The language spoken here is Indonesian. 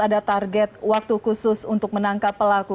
ada target waktu khusus untuk menangkap pelaku